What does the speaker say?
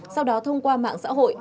sau đó thông qua mạng xã hội